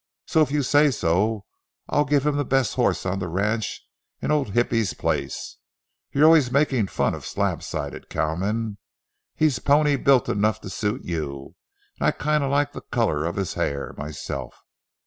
So if you say so, I'll give him the best horse on the ranch in old Hippy's place. You're always making fun of slab sided cowmen; he's pony built enough to suit you, and I kind o' like the color of his hair myself.